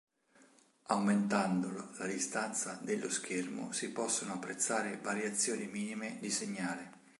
Aumentando la distanza dello schermo si possono apprezzare variazioni minime di segnale.